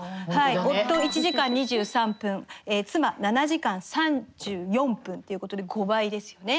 夫１時間２３分妻７時間３４分ということで５倍ですよね。